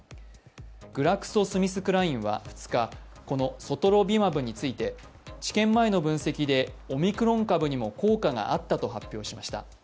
グラクソ・スミスクラインは２日、このソトロビマブについて治験前の分析でオミクロン株にも効果があったと発表しました。